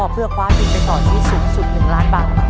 เพื่อคว้าทุนไปต่อชีวิตสูงสุด๑ล้านบาท